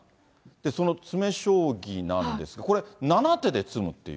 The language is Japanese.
その詰め将棋なんですが、これ、７手で詰むっていう。